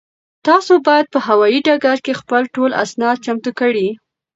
تاسو باید په هوایي ډګر کې خپل ټول اسناد چمتو کړئ.